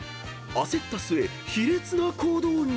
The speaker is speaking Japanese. ［焦った末卑劣な行動に］